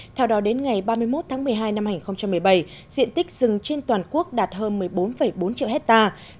theo đó đến ngày ba mươi một tháng một mươi hai năm hai nghìn một mươi bảy diện tích rừng trên toàn quốc đạt hơn một mươi bốn bốn triệu hectare